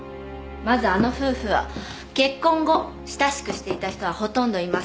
まずあの夫婦は結婚後親しくしていた人はほとんどいません。